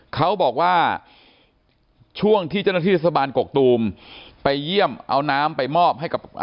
เขาบอกว่าช่วงที่เจ้าหน้าที่สบานกกตูมไปเยี่ยมเอาน้ำไปมอบให้กับ